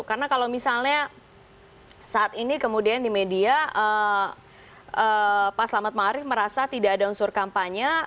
karena kalau misalnya saat ini kemudian di media pak selamat marih merasa tidak ada unsur kampanye